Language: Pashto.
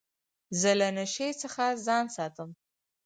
زه له نشې څخه ځان ساتم.